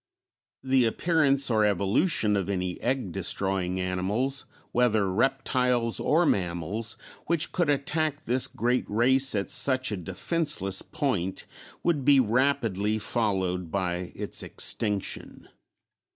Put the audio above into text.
The appearance, or evolution, of any egg destroying animals, whether reptiles or mammals, which could attack this great race at such a defenseless point would be rapidly followed by its extinction.